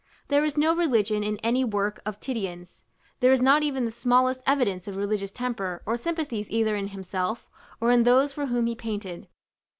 There is no religion in any work of Titian's: there is not even the smallest evidence of religious temper or sympathies either in himself, or in those for whom he painted.